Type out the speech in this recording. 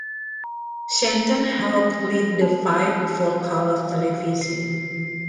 Stanton helped lead the fight for color television.